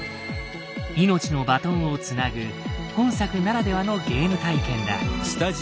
命のバトンをつなぐ本作ならではのゲーム体験だ。